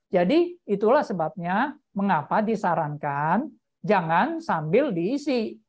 jadi itulah sebabnya mengapa disarankan jangan sambil diisi